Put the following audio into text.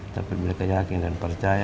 tapi mereka yakin dan percaya